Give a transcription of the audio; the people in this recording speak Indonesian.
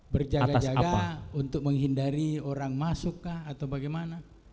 berjaga jaga untuk menghindari orang masuk kah atau bagaimana